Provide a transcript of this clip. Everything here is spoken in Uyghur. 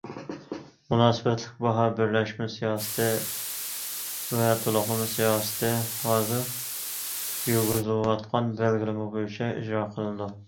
مۇناسىۋەتلىك باھا بىرلەشمە سىياسىتى ۋە تولۇقلىما سىياسىتى ھازىر يۈرگۈزۈلۈۋاتقان بەلگىلىمە بويىچە ئىجرا قىلىنىدۇ.